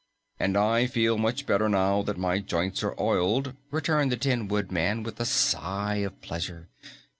"And I feel much better now that my joints are oiled," returned the Tin Woodman with a sigh of pleasure.